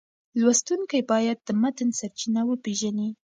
لوستونکی باید د متن سرچینه وپېژني.